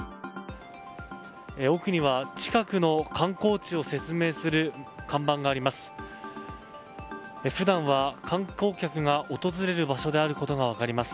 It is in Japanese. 奥には近くの観光地を説明する看板があります。